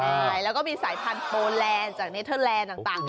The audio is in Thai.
ใช่แล้วก็มีสายพันธุ์โปแลนด์จากเนเทอร์แลนด์ต่าง